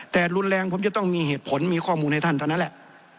แต่รุนแรงผมจะต้องมีเหตุผลมีข้อมูลให้ท่านเท่านั้นแหละ